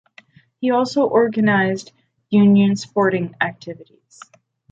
He also organised union sporting activities.